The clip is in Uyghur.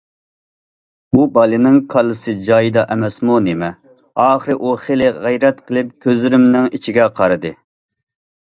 بۇ بالىنىڭ كاللىسى جايىدا ئەمەسمۇ نېمە؟ ئاخىرى ئۇ خېلى غەيرەت قىلىپ كۆزلىرىمنىڭ ئىچىگە قارىدى.